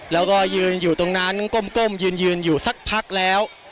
แล้วก็ยืนอยู่ตรงนั้นก้มยืนอยู่สักพักแล้ว